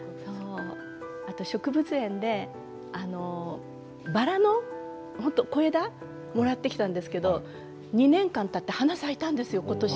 植物園でバラの小枝もらってきたんですけど２年間たって花が咲いたんですよ今年。